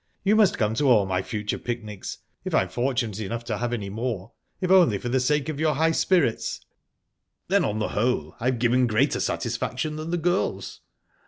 You must come to all my future picnics, if I am fortunate enough to have any more if only for the sake of your high spirits." "Then, on the whole, I've given greater satisfaction than the girls?"